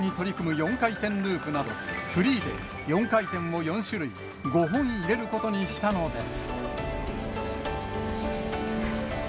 ４回転ループなど、フリーで４回転を４種類、５本入れることにしたのです。